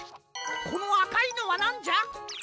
このあかいのはなんじゃ？